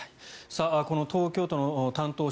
この東京都の担当者